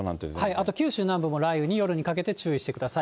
あと九州南部も夜にかけて雷雨に注意してください。